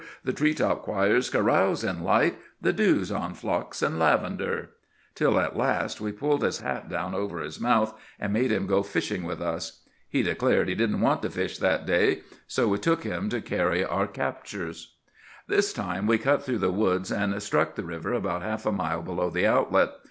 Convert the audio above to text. The tree top choirs carouse in light; The dew's on phlox and lavender,"— till at last we pulled his hat down over his mouth, and made him go fishing with us. He declared he didn't want to fish that day, so we took him to carry our captures. This time we cut through the woods, and struck the river about half a mile below the outlet.